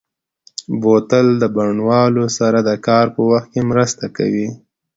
بوتل د بڼوالو سره د کار په وخت کې مرسته کوي.